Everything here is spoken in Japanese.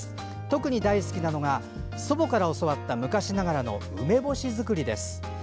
特に大好きなのが祖母から教わった昔ながらの梅干し作りです。